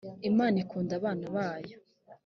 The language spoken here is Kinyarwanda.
imana ikunda abana bayo.